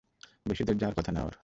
বেশিদূর যাওয়ার কথা না ওর।